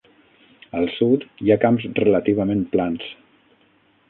Al sud hi ha camps relativament plans.